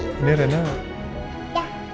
ini renna ribet sekolahnya sama papa nih